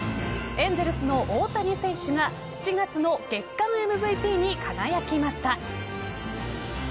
エンゼルスの大谷選手が７月の月間ＭＶＰに輝きました。